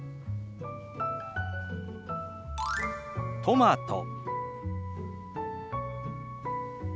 「トマト」。